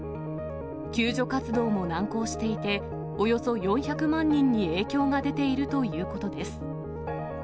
救助活動も難航していて、およそ４００万人に影響が出ているということです。